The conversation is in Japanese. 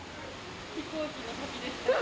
飛行機の旅でした。